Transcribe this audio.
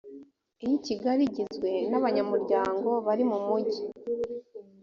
iy i kigali igizwe n abanyamuryango bari mumugi